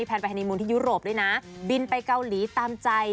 แป๊นไปฮานิมุนที่ยูโรปดีน่ะ